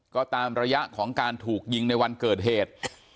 ก็ตามระยะของการถูกยิงในวันเกิดเหตุ